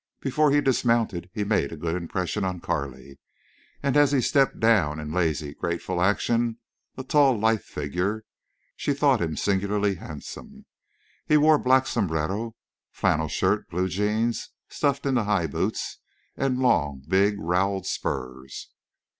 Before he dismounted he made a good impression on Carley, and as he stepped down in lazy, graceful action, a tall lithe figure, she thought him singularly handsome. He wore black sombrero, flannel shirt, blue jeans stuffed into high boots, and long, big roweled spurs.